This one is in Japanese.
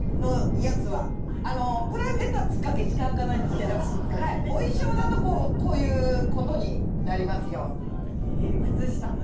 プライベートはつっかけしか履かないんですけれどお衣装だとこういうことになりますよ。